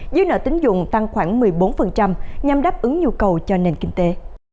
dư nợ tính dụng tăng khoảng một mươi bốn nhằm đáp ứng nhu cầu cho nền kinh tế